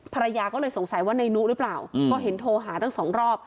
ภรรยาก็เลยสงสัยว่าในนุหรือเปล่าก็เห็นโทรหาตั้งสองรอบ